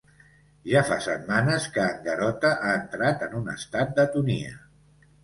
Ja fa setmanes que en Garota ha entrat en un estat d'atonia.